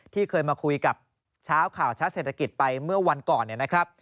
ที่เคยมาคุยกับชาวข่าวชาวเศรษฐกิจไปเมื่อวันก่อน